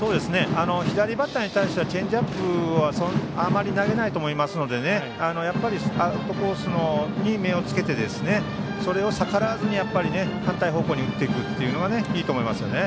左バッターに対してはチェンジアップはあまり投げないと思いますのでアウトコースに目をつけてそれを逆らわずに反対方向に打っていくのがいいと思いますね。